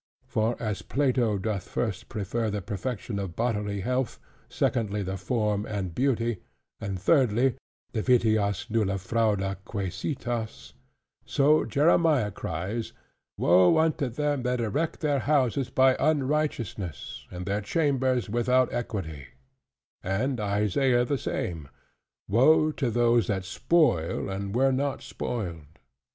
For, as Plato doth first prefer the perfection of bodily health; secondly, the form and beauty; and thirdly, "Divitias nulla fraude quaesitas": so Jeremiah cries, "Woe unto them that erect their houses by unrighteousness, and their chambers without equity": and Isaiah the same, "Woe to those that spoil and were not spoiled."